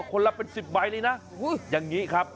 คนละเป็น๑๐ใบเลยนะอย่างนี้ครับ